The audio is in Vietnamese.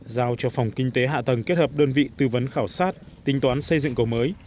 giao cho phòng kinh tế hạ tầng kết hợp đơn vị tư vấn khảo sát tính toán xây dựng cầu mới